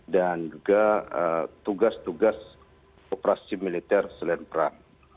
dan juga tugas tugas operasi militer selain perang